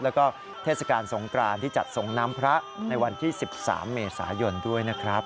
แล้วก็เทศกาลสงกรานที่จัดส่งน้ำพระในวันที่๑๓เมษายนด้วยนะครับ